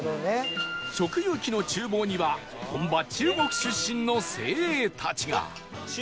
食遊記の厨房には本場中国出身の精鋭たちが